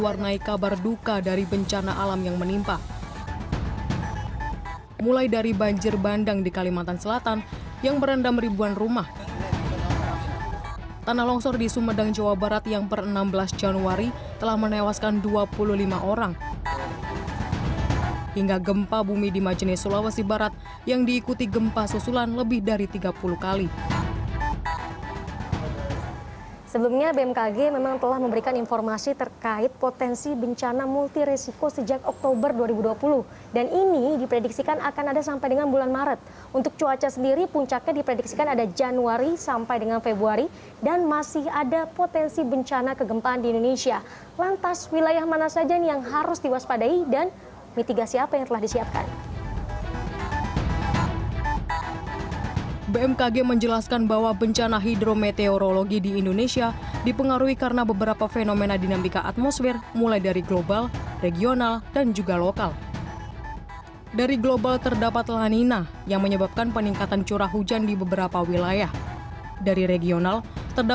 raditya mengatakan bnpb pun telah berkoordinasi dengan pemerintah daerah dan bpbd untuk waspada terhadap potensi bencana yang ada